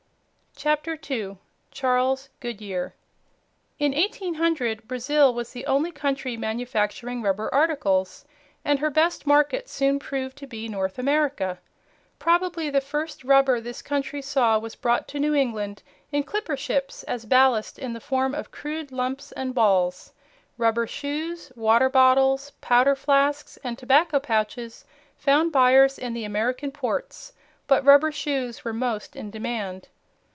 CHAPTER 2 CHARLES GOODYEAR In 1800 Brazil was the only country manufacturing rubber articles, and her best market soon proved to be North America. Probably the first rubber this country saw was brought to New England in clipper ships as ballast in the form of crude lumps and balls. Rubber shoes, water bottles, powder flasks, and tobacco pouches found buyers in the American ports, but rubber shoes were most in demand.